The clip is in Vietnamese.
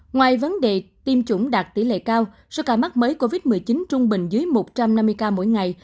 ngoài vấn đề tiêm chủng đạt tỷ lệ cao số ca mắc mới covid một mươi chín trung bình dưới một trăm năm mươi ca mỗi ngày